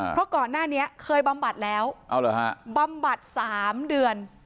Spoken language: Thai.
เพราะก่อนหน้านี้เคยบำบัดแล้วเอาเลยค่ะบำบัดสามเดือน